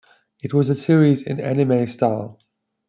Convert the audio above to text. It was a series in anime style.